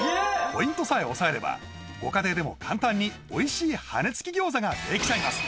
ポイントさえ押さえればご家庭でも簡単においしい羽根つき餃子ができちゃいます